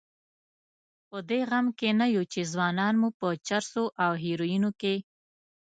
په دې غم کې نه یو چې ځوانان مو په چرسو او هیرویینو کې.